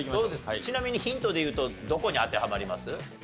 ちなみにヒントで言うとどこに当てはまります？